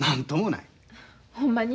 ほんまに？